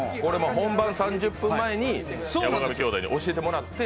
本番３０分前に山上兄弟に教えてもらって。